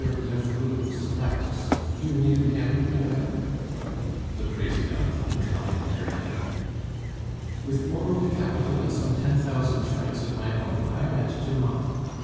Levroux's practice. You knew him, no doubt?" The Presidente inclined her head. "With borrowed capital and some ten thousand francs of my own, I went to Mantes.